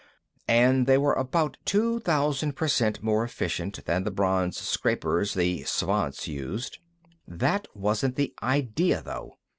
And they were about two thousand per cent more efficient than the bronze scrapers the Svants used. That wasn't the idea, though.